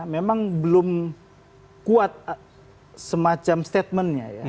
memang belum kuat semacam statementnya ya